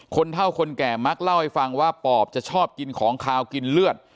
เท่าคนแก่มักเล่าให้ฟังว่าปอบจะชอบกินของขาวกินเลือด